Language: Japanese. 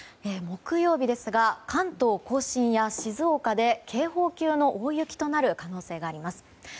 木曜日ですが関東・甲信や静岡で警報級の大雪となる可能性があります。